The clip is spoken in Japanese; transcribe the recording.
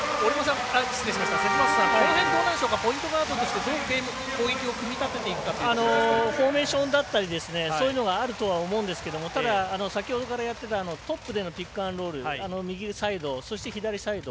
この辺どうでしょうかポイントガードとしてフォーメーションだったりそういうのがあるとは思うんですけどただ、先ほどからやっていたトップでのピックアンドロール右サイド、そして左サイド。